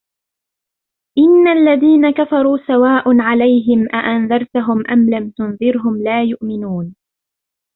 إِنَّ الَّذِينَ كَفَرُوا سَوَاءٌ عَلَيْهِمْ أَأَنْذَرْتَهُمْ أَمْ لَمْ تُنْذِرْهُمْ لَا يُؤْمِنُونَ